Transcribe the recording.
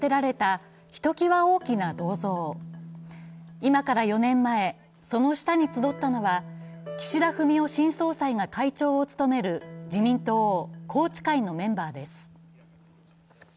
今から４年前、その下に集ったのは岸田文雄新総裁が会長を務める自民党、宏池会のメンバーです。